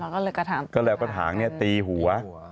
ก็เลยเอากระถางตีหัว